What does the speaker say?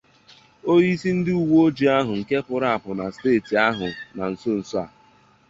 onyeisi ndị uweojii ahụ nke pụrụ àpụ na steeti ahụ na nsonso a